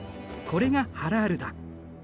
これがハラールだ。